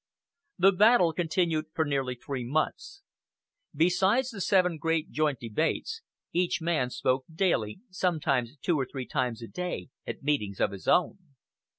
The battle continued for nearly three months. Besides the seven great joint debates, each man spoke daily, sometimes two or three times a day, at meetings of his own.